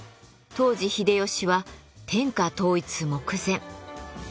当時秀吉は天下統一目前。